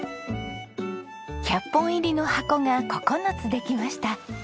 １００本入りの箱が９つできました。